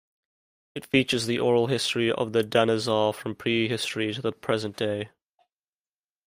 It features the oral history of the Dane-zaa from pre-history to the present day.